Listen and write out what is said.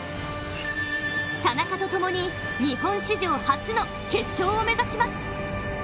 田中とともに日本史上初の決勝を目指します。